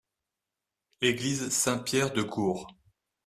Église Saint-Pierre de Gours.